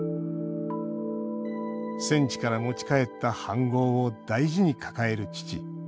戦地から持ち帰った飯ごうを大事に抱える父。